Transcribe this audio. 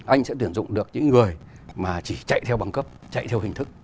anh sẽ tuyển dụng được những người mà chỉ chạy theo bằng cấp chạy theo hình thức